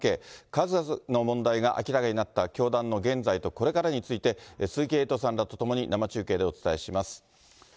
数々の問題が明らかになった教団の現在とこれからについて、鈴木エイトさんらと共に生中継でお伝えします。